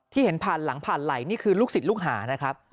เห็นผ่านหลังผ่านไหล่นี่คือลูกศิษย์ลูกหานะครับ